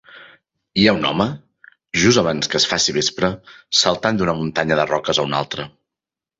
Hi ha un home, just abans que es faci vespre, saltant d'una muntanya de roques a una altra.